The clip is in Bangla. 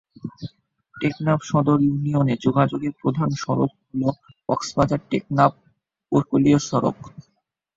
টেকনাফ সদর ইউনিয়নে যোগাযোগের প্রধান সড়ক হল কক্সবাজার-টেকনাফ উপকূলীয় সড়ক।